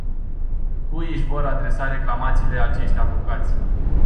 Cui își vor adresa reclamațiile acești avocați?